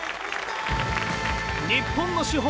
日本の主砲